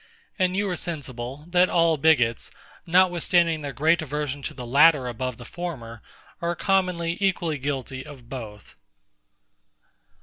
And you are sensible, that all bigots, notwithstanding their great aversion to the latter above the former, are commonly equally guilty of both.